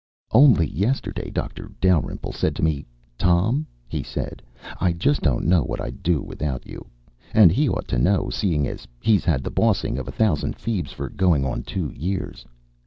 Only yesterday Doctor Dalrymple said to me, "Tom," he said, "I just don't know what I'd do without you." And he ought to know, seeing as he's had the bossing of a thousand feebs for going on two years.